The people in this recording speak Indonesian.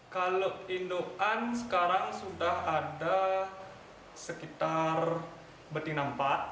kalau indokan sekarang sudah ada sekitar betina empat